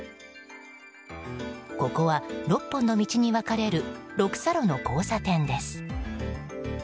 ここは６本の道に分かれる６差路の交差点です。